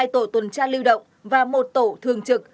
hai tổ tuần tra lưu động và một tổ thường trực